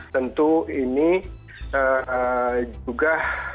tentu ini juga